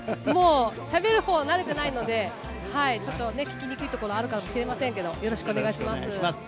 しゃべるほうは慣れていないので、聞きにくいところがあるかもしれませんが、よろしくお願いします。